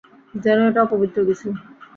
যেন এটা অপবিত্র কিছু।